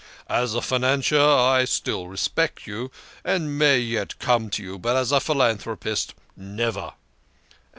As a financier, I still respect you, and may yet come to you, but as a philanthropist, never."